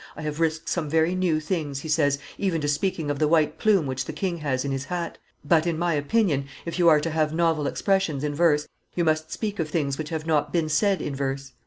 "I have risked some very new things," he says, "even to speaking of the white plume which the king has in his hat; but, in my opinion, if you are to have novel expressions in verse, you must speak of things which have not been said in verse.